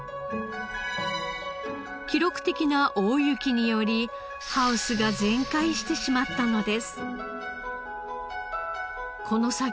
記録的な大雪によりハウスが全壊してしまったのです。